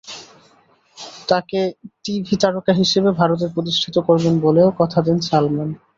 তাঁকে টিভি তারকা হিসেবে ভারতে প্রতিষ্ঠিত করবেন বলেও কথা দেন সালমান।